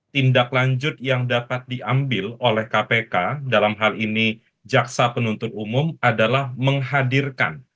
tindak lanjut yang dapat diambil oleh kpk dalam hal ini jaksa penuntut umum adalah menghadirkan